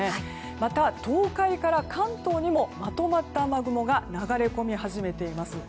また、東海から関東にもまとまった雨雲が流れ込み始めています。